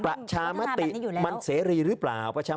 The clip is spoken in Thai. ประชามติมันเสรีหรือเปล่า